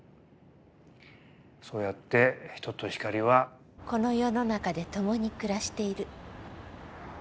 そうやって人と光は。この世の中で共に暮らしている。